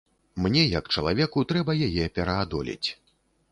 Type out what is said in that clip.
Мне як чалавеку трэба яе пераадолець.